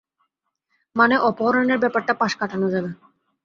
মানে, অপহরণের ব্যাপারটা পাশ কাটানো যাবে।